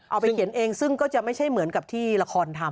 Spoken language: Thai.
เอาไปเขียนเองซึ่งก็จะไม่ใช่เหมือนกับที่ละครทำ